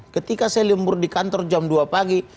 ketika saya lembur di kantor jam dua pagi